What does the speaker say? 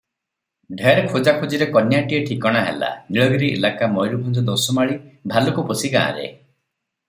ଢେର ଖୋଜାଖୋଜିରେ କନ୍ୟାଟିଏ ଠିକଣା ହେଲା, ନୀଳଗିରି ଇଲାକା ମୟୂରଭଞ୍ଜ ଦୋସମାଳୀ ଭାଲୁକପୋଷି ଗାଁରେ ।